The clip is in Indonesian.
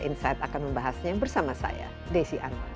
insight akan membahasnya bersama saya desi anwar